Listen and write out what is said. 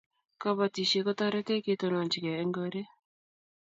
kabotishe kotoretech ketononchinkei en koree